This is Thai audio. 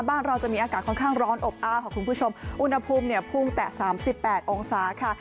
บ้านเราจะมีอากาศค่อนข้างร้อนอบอ้าวค่ะคุณผู้ชมอุณหภูมิเนี่ยพุ่งแต่๓๘องศาค่ะ